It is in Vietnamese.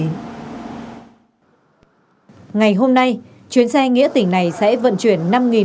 ngày hôm nay chuyến xe nghĩa tình này sẽ vận chuyển năm tỉnh